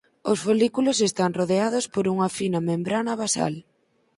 Os folículos están rodeados por unha fina membrana basal.